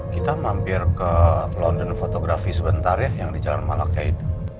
kita mampir ke london fotografi sebentar ya yang di jalan malaka itu